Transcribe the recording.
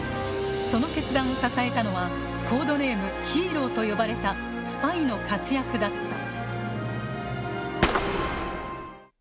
その決断を支えたのはコードネームＨＥＲＯと呼ばれたスパイの活躍だった。